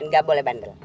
gak boleh bandel